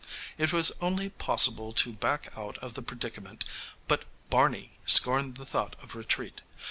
It was only possible to back out of the predicament, but Barney scorned the thought of retreat.